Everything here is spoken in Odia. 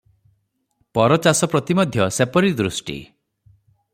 ପର ଚାଷ ପ୍ରତି ମଧ୍ୟ ସେପରି ଦୃଷ୍ଟି ।